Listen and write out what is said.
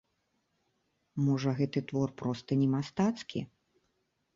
Можа гэты твор проста не мастацкі?